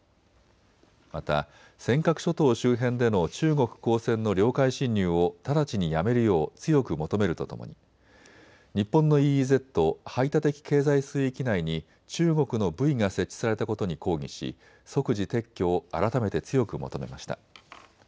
また尖閣諸島周辺での中国公船の領海侵入を直ちにやめるよう強く求めるとともに日本のＥＥＺ・排他的経済水域内に中国のブイが設置されたことに抗議し即時撤去を改めて強く求めました。